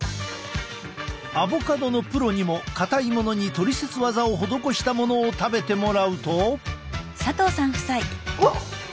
アボカドのプロにも硬いものにトリセツワザを施したものを食べてもらうと。